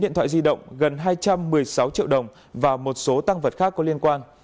điện thoại di động gần hai trăm một mươi sáu triệu đồng và một số tăng vật khác có liên quan